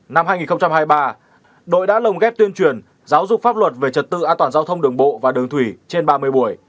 năm hai nghìn hai mươi ba đội đã lồng ghép tuyên truyền giáo dục pháp luật về trật tự an toàn giao thông đường bộ và đường thủy trên ba mươi buổi